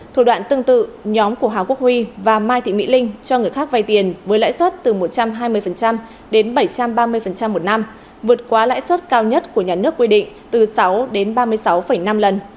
thủ đoạn tương tự nhóm của hà quốc huy và mai thị mỹ linh cho người khác vay tiền với lãi suất từ một trăm hai mươi đến bảy trăm ba mươi một năm vượt qua lãi suất cao nhất của nhà nước quy định từ sáu đến ba mươi sáu năm lần